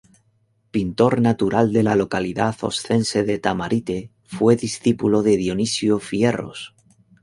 Pintor natural de la localidad oscense de Tamarite, fue discípulo de Dionisio Fierros.